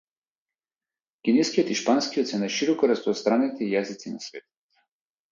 Кинескиот и шпанскиот се најшироко распостранети јазици на светот.